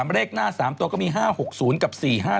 เลขหน้า๓ตัวก็มี๕๖๐กับ๔๕๗